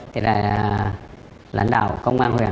thế là lãnh đạo công an huyện